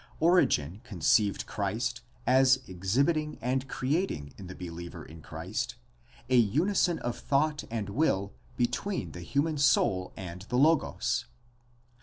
Origen conceived Christ as exhibiting and creating in the believer in Christ a unison of thought and will between the human soul and the Logos.